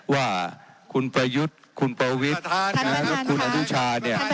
ว่าคุณประยุทธ์คุณประวิทธิ์ท่านประธานค่ะคุณอฮุชาเนี่ย